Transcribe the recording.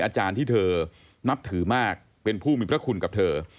อาจารย์ที่เธอนับถือมากเป็นผู้มีพระคุณกับเธอ